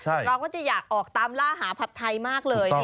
เราก็จะอยากออกตามล่าหาผัดไทยมากเลย